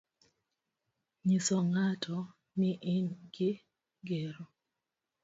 nyiso ng'ato ni in gi gero.